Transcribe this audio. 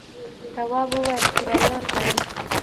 تواب وویل کرايه ورکوم.